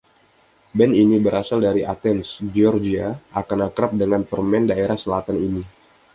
Band ini, berasal dari Athens, Georgia, akan akrab dengan permen daerah selatan ini.